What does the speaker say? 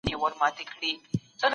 لكه اوبه چي دېوال ووهي ويده سمه زه